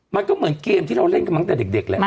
มันก็เหมือนเกมที่เราเล่นกันมาตั้งแต่เด็กแหละ